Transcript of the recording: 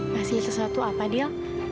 masih sesuatu apa dil